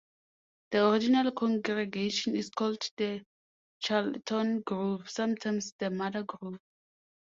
This original congregation is called the Carleton Grove, sometimes the Mother Grove.